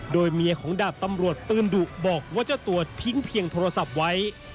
โดยเมียของดาบตำรวจปืนดุบอกว่าเจ้าตัวทิ้งเพียงโทรศัพท์ไว้